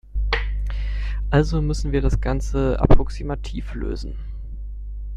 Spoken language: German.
Also müssen wir das Ganze approximativ lösen.